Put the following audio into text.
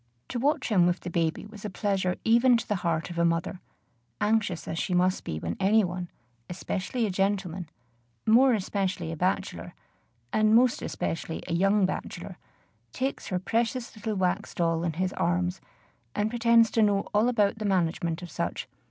To watch him with the baby was a pleasure even to the heart of a mother, anxious as she must be when any one, especially a gentleman, more especially a bachelor, and most especially a young bachelor, takes her precious little wax doll in his arms, and pretends to know all about the management of such.